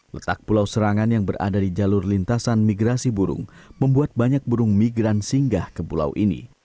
letak pulau serangan yang berada di jalur lintasan migrasi burung membuat banyak burung migran singgah ke pulau ini